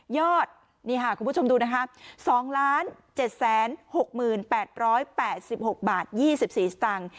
ยอดนี่ค่ะคุณผู้ชมดูนะคะ๒๗๖๘๘๖บาท๒๔สตางค์